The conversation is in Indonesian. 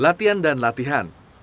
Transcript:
latihan dan latihan